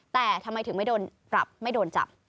แต่ทำไมถึงไม่โดนปรับไม่โดนจับ